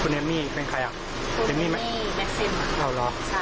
คุณเอมมี่แม็กซิมคุณเอมมี่แม็กซิมคุณเอมมี่แม็กซิมคุณเอมมี่แม็กซิม